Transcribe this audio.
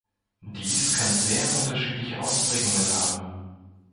Dies kann sehr unterschiedliche Ausprägungen haben.